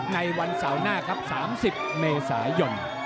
ในวันเสาร์หน้าครับ๓๐เมษายน